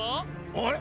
あれ？